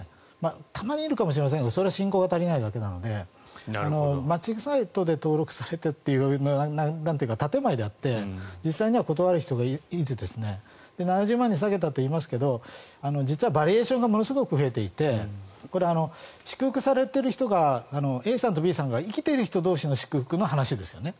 たまにいるかもしれませんがそれは信仰が足りないだけなのでマッチングサイトで登録されてっていう建前であって実際には断る人がいて７０万に下げたといいますが実はバリエーションがものすごく増えていて祝福されている人がＡさんとＢさんが生きている時の祝福の話ですよね。